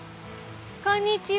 こんにちは。